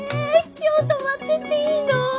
今日泊まってっていいの？